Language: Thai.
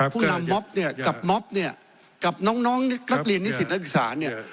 ผู้นำม็อปเนี่ยกับม็อปเนี่ยกับน้องน้องกรับเรียนนิสิทธิศรักษาเนี่ย